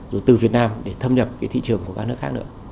rồi từ việt nam để thâm nhập cái thị trường của các nước khác nữa